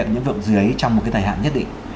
cấm làm nhiệm vụ dưới trong một cái thời hạn nhất định